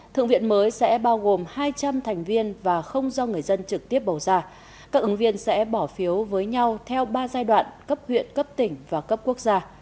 thượng viện mới sẽ bao gồm hai trăm linh thành viên và không do người dân trực tiếp bầu ra các ứng viên sẽ bỏ phiếu với nhau theo ba giai đoạn cấp huyện cấp tỉnh và cấp quốc gia